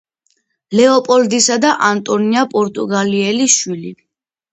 ლეოპოლდისა და ანტონია პორტუგალიელის შვილი.